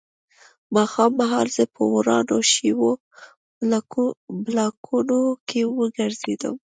ماښام مهال زه په ورانو شویو بلاکونو کې وګرځېدم